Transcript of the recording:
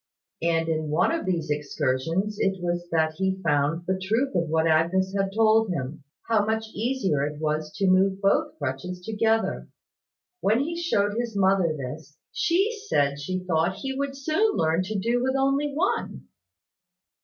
And in one of these excursions it was that he found the truth of what Agnes had told him how much easier it was to move both crutches together. When he showed his mother this, she said she thought he would soon learn to do with only one.